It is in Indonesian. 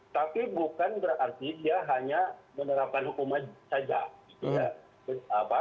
tapi bukan berarti dia hanya menerapkan hukuman saja